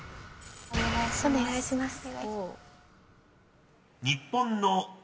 お願いします。